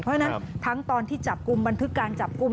เพราะฉะนั้นทั้งตอนที่จับกลุ่มบันทึกการจับกลุ่ม